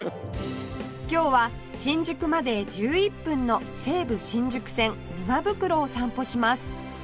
今日は新宿まで１１分の西武新宿線沼袋を散歩します